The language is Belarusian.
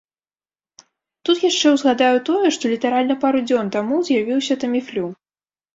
Тут яшчэ ўзгадаю тое, што літаральна пару дзён таму з'явіўся таміфлю.